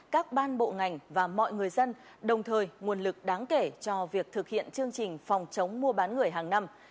các ban bộ ngành và mọi người dân đồng thời nguồn lực đáng kể cho việc thực hiện chương trình phòng chống mua bán người hàng năm